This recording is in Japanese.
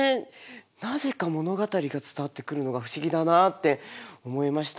なぜか物語が伝わってくるのが不思議だなって思いました。